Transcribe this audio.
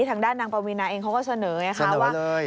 ทางด้านนางปราวินาเองเขาก็เสนอเลย